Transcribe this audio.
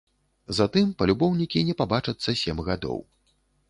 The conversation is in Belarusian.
Затым палюбоўнікі не пабачацца сем гадоў.